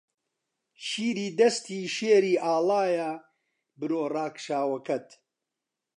شیری دەستی شێری ئاڵایە برۆ ڕاکشاوەکەت